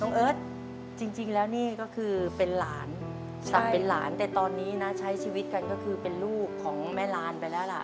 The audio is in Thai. เอิร์ทจริงแล้วนี่ก็คือเป็นหลานศักดิ์เป็นหลานแต่ตอนนี้นะใช้ชีวิตกันก็คือเป็นลูกของแม่ลานไปแล้วล่ะ